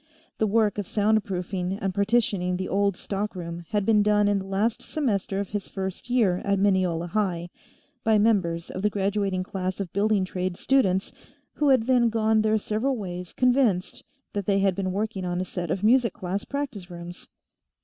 The work of soundproofing and partitioning the old stockroom had been done in the last semester of his first year at Mineola High, by members of the graduating class of building trades students, who had then gone their several ways convinced that they had been working on a set of music class practice rooms.